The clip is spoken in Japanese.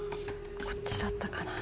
こっちだったかな。